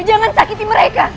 jangan sakiti mereka